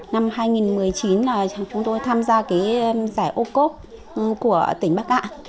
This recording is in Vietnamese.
năm hai nghìn một mươi chín là chúng tôi tham gia cái giải ô cốt của tỉnh bắc ả